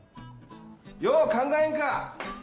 よう考えんか！